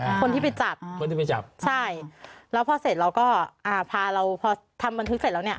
คนที่ไปจับคนที่ไปจับใช่แล้วพอเสร็จเราก็อ่าพาเราพอทำบันทึกเสร็จแล้วเนี้ย